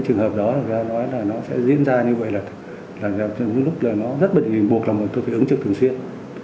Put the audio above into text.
trường hợp đó nó sẽ diễn ra như vậy là lúc nó rất bình yên buộc là tôi phải ứng trực thường xuyên